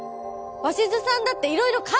鷲津さんだっていろいろ考えて。